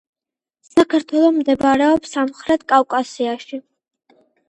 საქართველო მდებარეობს სამხრეთ კავკასიაში.